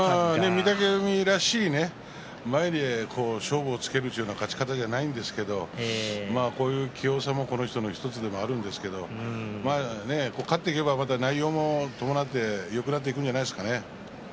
御嶽海らしい前で勝負をつけるという勝ちではないんですけれどもこういう器用さもこの人の味ですから勝っていけばよくなっていくんじゃないですか。